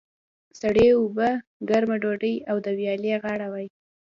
سړې اوبه، ګرمه ډودۍ او د ویالې غاړه وای.